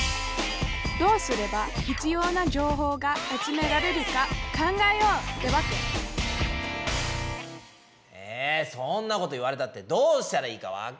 どうすれば必要な情報が集められるか考えようってわけえそんなこと言われたってどうしたらいいかわかんないよ！